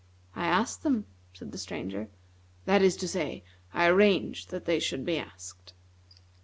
"I asked them," said the Stranger. "That is to say, I arranged that they should be asked."